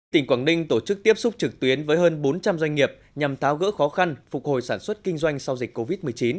tỉnh quảng ninh tổ chức tiếp xúc trực tuyến với hơn bốn trăm linh doanh nghiệp nhằm tháo gỡ khó khăn phục hồi sản xuất kinh doanh sau dịch covid một mươi chín